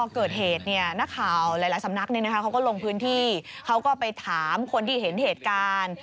เขาก็ลงพื้นที่เขาก็ไปถามคนที่เห็นเหตุการณ์